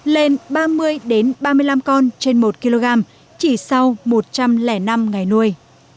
lên ba mươi ba mươi năm con trên một kg chỉ sau một trăm linh năm ngày nuôi